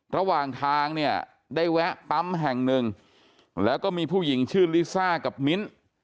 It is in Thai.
ระหว่างทางเนี่ยได้แวะปั๊มแห่งหนึ่งแล้วก็มีผู้หญิงชื่อลิซ่ากับมิ้น